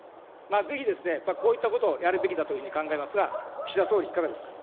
ぜひですね、こういったことをやるべきだというふうに考えますが、岸田総理、いかがですか。